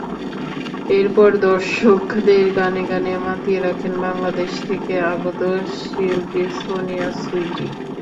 এরপর দর্শকদের গানে গানে মাতিয়ে রাখেন বাংলাদেশ থেকে আগত শিল্পী সোনিয়া সুইটি।